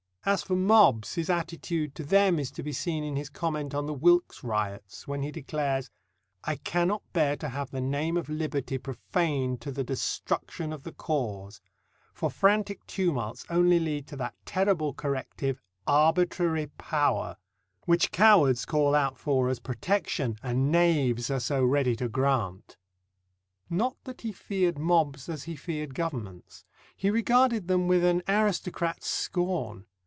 As for mobs, his attitude to them is to be seen in his comment on the Wilkes riots, when he declares: I cannot bear to have the name of Liberty profaned to the destruction of the cause; for frantic tumults only lead to that terrible corrective, Arbitrary Power which cowards call out for as protection, and knaves are so ready to grant. Not that he feared mobs as he feared governments. He regarded them with an aristocrat's scorn.